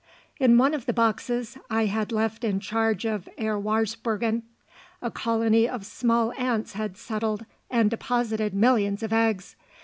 In one of the boxes I had left in charge of Herr Warzbergen, a colony of small ants had settled and deposited millions of eggs.